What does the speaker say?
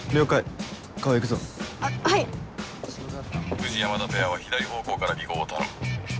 藤山田ペアは左方向から尾行を頼む。